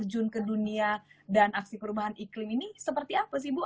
terjun ke dunia dan aksi perubahan iklim ini seperti apa sih bu